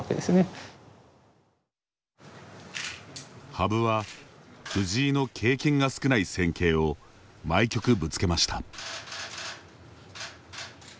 羽生は藤井の経験が少ない戦型を毎局ぶつけました。